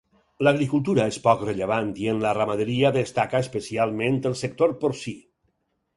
L'agricultura és poc rellevant i en la ramaderia destaca especialment el sector porcí.